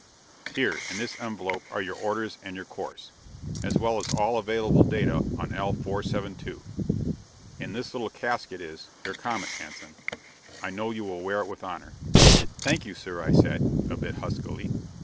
"Here, in this envelope, are your orders and your course, as well as all available data on L 472. In this little casket is your comet, Hanson. I know you will wear it with honor!" "Thank you, sir!" I said, a bit huskily.